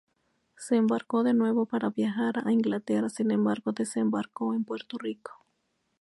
Se embarcó de nuevo para viajar a Inglaterra; sin embargo, desembarcó en Puerto Rico.